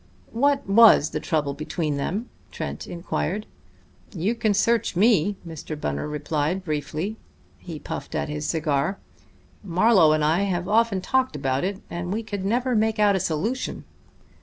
"What was the trouble between them?" Trent inquired. "You can search me," Mr. Bunner replied briefly. He puffed at his cigar. "Marlowe and I have often talked about it, and we could never make out a solution.